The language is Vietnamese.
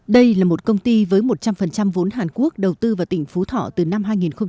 đây là một công ty với một trăm linh vốn hàn quốc đầu tư vào tỉnh phú thọ từ năm hai nghìn một mươi